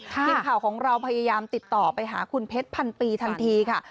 ทีมข่าวของเราพยายามติดต่อไปหาคุณเพชรพันปีทันทีค่ะ